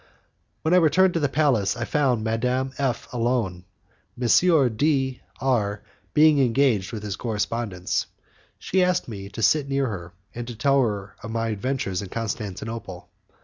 When I returned to the palace I found Madame F alone, M. D R being engaged with his correspondence. She asked me to sit near her, and to tell her all my adventures in Constantinople.